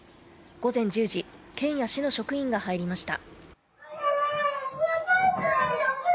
午前１０時、県や市の職員が入りました。